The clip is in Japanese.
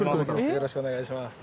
よろしくお願いします